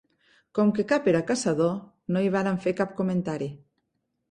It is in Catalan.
Com que cap era caçador, no hi varen fer cap comentari